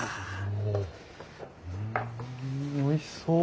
うんおいしそう。